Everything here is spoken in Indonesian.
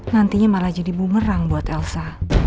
nantinya malah jadi bumerang buat elsa